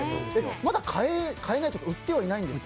まだ買えないというか売ってはいないんですか？